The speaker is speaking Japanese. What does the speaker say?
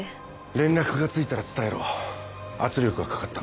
連絡がついたら伝えろ圧力がかかった。